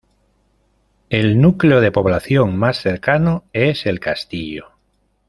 El núcleo de población más cercano es El Castillo.